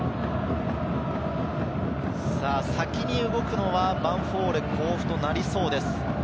先に動くのはヴァンフォーレ甲府となりそうです。